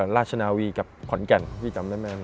ราชนาวีกับขอนแก่นพี่จำได้ไหม